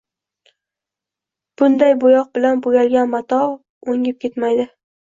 Bunday boʻyoq bilan boʻyalgan mato oʻngib ketmaydi.